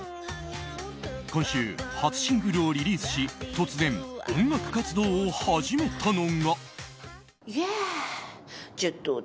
今週、初シングルをリリースし突然、音楽活動を始めたのが。